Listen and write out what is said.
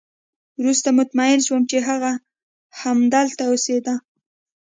وروسته مطمئن شوم چې هغه همدلته اوسېده